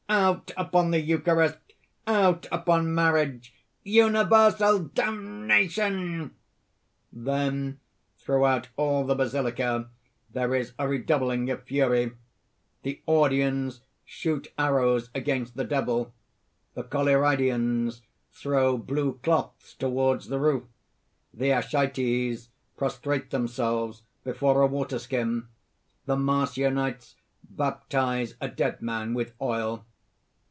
out upon the Eucharist! out upon marriage! universal damnation!" (Then throughout all the basilica there is a redoubling of fury. _The Audians shoot arrows against the Devil; the Collyridians throw blue cloths toward the roof; the Ascites prostrate themselves before a waterskin; the Marcionites baptise a dead man with oil.